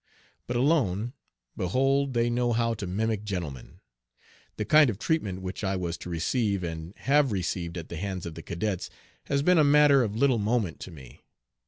But alone, behold they know how to mimic gentlemen. The kind of treatment which I was to receive, and have received at the hands of the cadets, has been a matter of little moment to me.